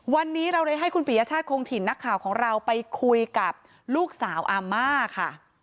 วันนี้เราเลยให้คุณปียชาติคงถิ่นนักข่าวของเราไปคุยกับลูกสาวอาม่าค่ะ